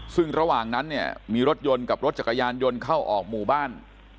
ซึ่งระหว่างนั้นเนี่ยมีรถยนต์กับรถจักรยานยนต์เข้าออกหมู่บ้าน